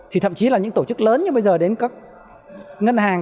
thì thậm chí là những tổ chức lớn như bây giờ đến các ngân hàng